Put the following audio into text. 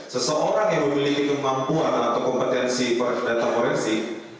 seseorang yang memiliki kemampuan atau kompetensi data forensik